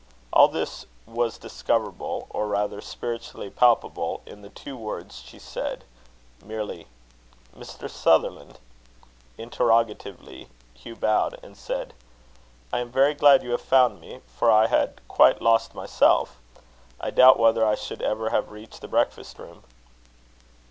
All this was discoverable, or rather spiritually palpable, in the two words she said merely, "Mr. Sutherland?" interrogatively. Hugh bowed, and said: "I am very glad you have found me, for I had quite lost myself. I doubt whether I should ever have reached the breakfast room."